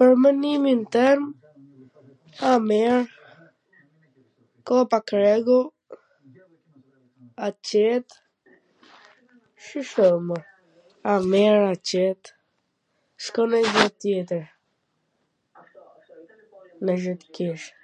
Pwr menimin tem, a mir, ko pak rregull, a qet, shishto mana, a mir, a qet, s ko nanj gja tjetwr, nanj gja tw thjesht.